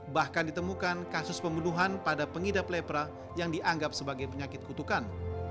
bahkan ditemukan kasus pembunuhan pada pengidap lepra yang dianggap sebagai penyakit kutukan